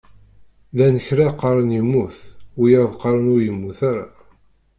Llan kra qqaren yemmut, wiyaḍ qqaren ur yemmut ara.